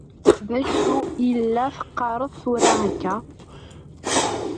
D acu i la teqqaṛeḍ tura akka?